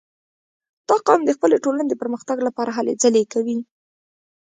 • دا قوم د خپلې ټولنې د پرمختګ لپاره هلې ځلې کوي.